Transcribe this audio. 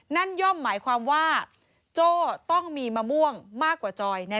ย่อมหมายความว่าโจ้ต้องมีมะม่วงมากกว่าจอยแน่